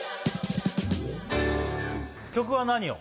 曲は何を？